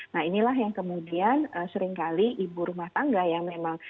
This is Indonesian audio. nah inilah yang kemudian seringkali ibu rumah tangga yang memang